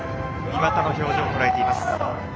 岩田の表情を捉えていました。